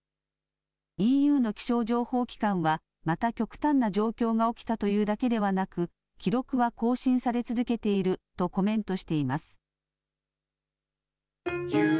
ＥＵの気象情報機関はまた極端な状況が起きたというだけではなく記録は更新され続けているとコメントしています。